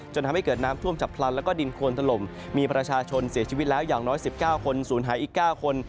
ทำให้เกิดน้ำท่วมฉับพลันแล้วก็ดินโคนถล่มมีประชาชนเสียชีวิตแล้วอย่างน้อย๑๙คนศูนย์หายอีก๙คน